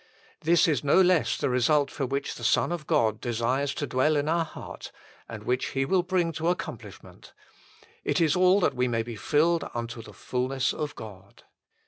This is no less the result for which the Son of God desires to dwell in our heart, and which He will bring to accomplishment : it is all that we may be filled unto the fulness of God.